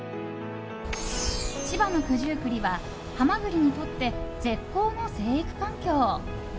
千葉の九十九里はハマグリにとって絶好の生育環境。